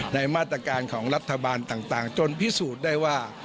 ในมาตรการของรัฐบาลต่างจนพิสูจน์ได้ว่า